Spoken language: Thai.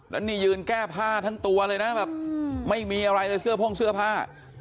แล้วนี่ยืนแก้ผ้าทั้งตัวเลยนะแบบไม่มีอะไรเลยเสื้อโพ่งเสื้อผ้า